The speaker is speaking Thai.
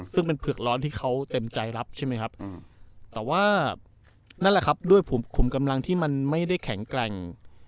ซึ่งเป็นเผือกร้อนที่เขาเต็มใจรับใช่ไหมครับแต่ว่านั่นแหละครับด้วยขุมกำลังที่มันไม่ได้แข็งแกร่ง